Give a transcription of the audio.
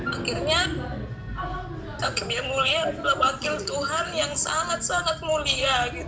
akhirnya kakek yang mulia adalah wakil tuhan yang sangat sangat mulia